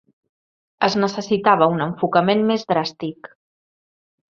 Es necessitava un enfocament més dràstic.